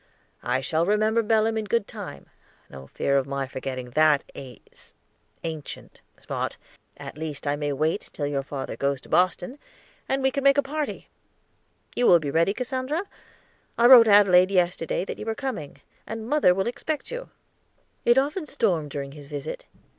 "I shall remember Belem in good time; no fear of my forgetting that ace ancient spot. At least I may wait till your father goes to Boston, and we can make a party. You will be ready, Cassandra? I wrote Adelaide yesterday that you were coming, and mother will expect you." It often stormed during his visit.